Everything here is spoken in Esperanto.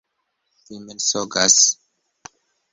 Vi mensogas!